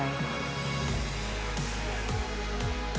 ya cnn indonesia bukan hanya untuk menjaga kepentingan